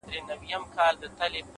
ډېوې پوري’